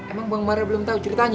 emang bang bara belum tau ceritanya